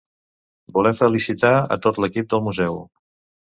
Volem felicitar a tot l'equip del museu.